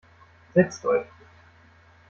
Setzt euch.